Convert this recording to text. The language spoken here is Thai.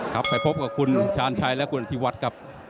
ครับไปพบกับคุณชาญชัยและคุณอธิวัฒน์ครับ